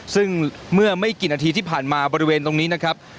ซึ่งเมื่อไม่กี่นาทีที่ผ่านมาบริเวณตรงนี้นะครับ